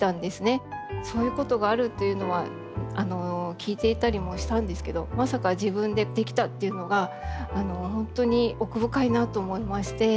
そういうことがあるっていうのは聞いていたりもしたんですけどまさか自分で出来たっていうのが本当に奥深いなと思いまして。